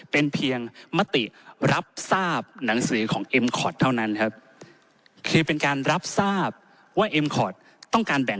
เป็นการรับทราบว่าเอ็มคอร์ดต้องการแบ่งสัดส่วน